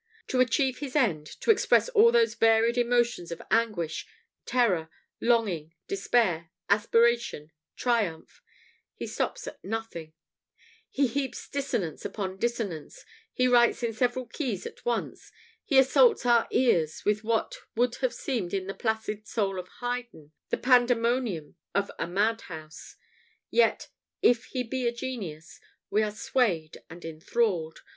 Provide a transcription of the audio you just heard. To achieve his end to express all those varied emotions of anguish, terror, longing, despair, aspiration, triumph he stops at nothing: he heaps dissonance upon dissonance, he writes in several keys at once, he assaults our ears with what would have seemed to the placid soul of Haydn the pandemonium of a mad house. Yet, if he be a genius, we are swayed and enthralled.